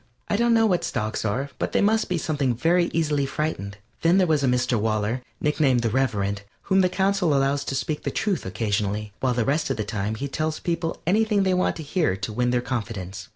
I don't know what stocks are, but they must be something very easily frightened. Then there was a Mr. Waller, nicknamed the Reverend, whom the Council allows to speak the truth occasionally, while the rest of the time he tells people anything they want to hear to win their confidence.